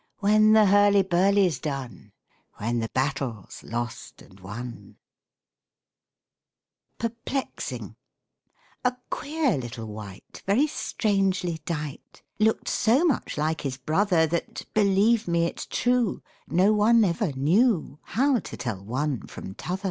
"When the hurly burly's done, When the battle's lost and won." PERPLEXING A queer little wight, Very strangely dight, Looked so much like his brother, That, believe me, it's true, No one ever knew How to tell one from t'other.